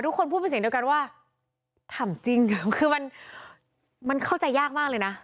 ทุกคนพูดไปเสนอกันว่าท่ำจริงคือมันมันเข้าใจยากมากเลยนะ